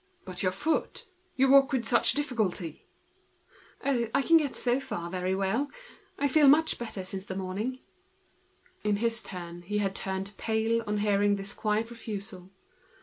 "But your foot! You walk with such difficulty." "Oh, I can get so far very well. I feel much better since the morning." He had now turned pale in his turn, before this quiet refusal.